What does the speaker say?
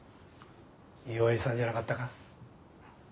いい親父さんじゃなかったか？